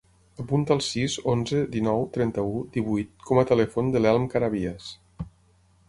Apunta el sis, onze, dinou, trenta-u, divuit com a telèfon de l'Elm Carabias.